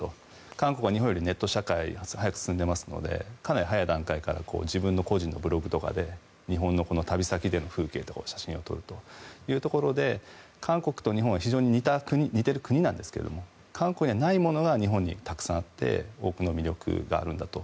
韓国は日本よりネット社会が早く進んでいますのでかなり早い段階から自分の個人のブログとかで日本の旅先での風景とかを写真を撮るというところで韓国と日本は非常に似ている国なんですけど韓国にはないものが日本にたくさんあって多くの魅力があるんだと。